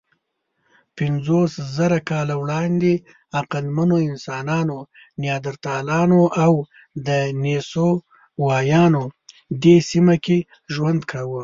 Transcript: پنځوسزره کاله وړاندې عقلمنو انسانانو، نیاندرتالانو او دنیسووایانو دې سیمه کې ژوند کاوه.